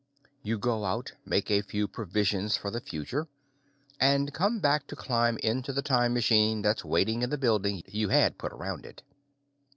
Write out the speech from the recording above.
You go out, make a few provisions for the future, and come back to climb into the time machine that's waiting in the building you had put around it.